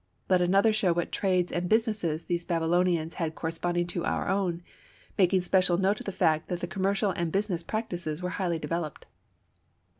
Let another show what trades and businesses these Babylonians had corresponding to our own, making special note of the fact that the commercial and business practices were highly developed.